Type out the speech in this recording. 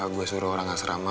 gue suruh orang asrama